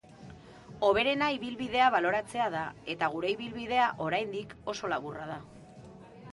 Hoberena ibilbidea baloratzea da eta gure ibilbidea, oraindik, oso laburra da.